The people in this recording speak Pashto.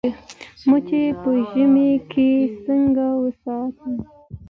مچۍ په ژمي کې څنګه وساتم؟